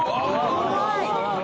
怖い！